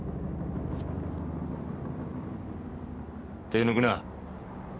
手を抜くな。